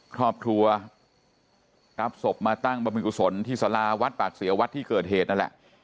ครอบครัวรับศพมาตั้งบรรพิกุศลที่สาราวัดปากเสียวัดที่เกิดเหตุนั่นแหละ